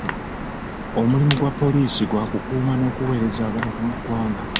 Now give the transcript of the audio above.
Omulimu gwa poliisi gwa kukuuma n'okuweereza abantu mu ggwanga.